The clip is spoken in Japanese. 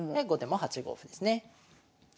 後手も８五歩ですね。